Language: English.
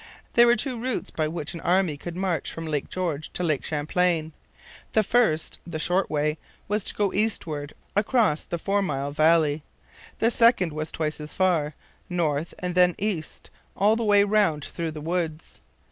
There were two routes by which an army could march from Lake George to Lake Champlain. The first, the short way, was to go eastward across the four mile valley. The second was twice as far, north and then east, all the way round through the woods.